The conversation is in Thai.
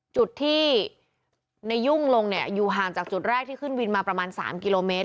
จุดที่ในยุ่งลงเนี่ยอยู่ห่างจากจุดแรกที่ขึ้นวินมาประมาณ๓กิโลเมตร